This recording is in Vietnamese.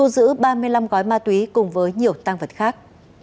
đổ tăng vật khác